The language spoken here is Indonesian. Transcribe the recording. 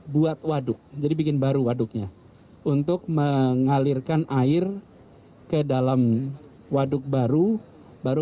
buat waduk jadi bikin baru waduknya untuk mengalirkan air ke dalam waduk baru baru